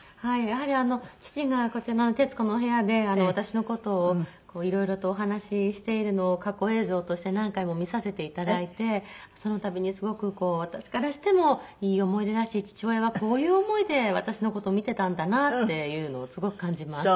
やはり父がこちらの『徹子の部屋』で私の事をいろいろとお話ししているのを過去映像として何回も見させていただいてそのたびにすごく私からしてもいい思い出だし父親はこういう思いで私の事を見てたんだなっていうのをすごく感じます。